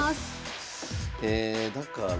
だから。